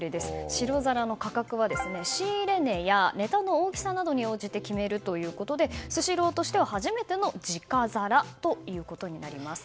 白皿の価格は仕入れ値やネタの大きさなどに応じて決めるということでスシローとしては初めての時価皿ということになります。